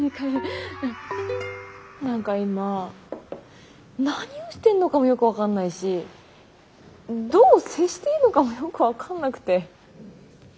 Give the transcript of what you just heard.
何か今何をしてんのかもよく分かんないしどう接していいのかもよく分かんなくて。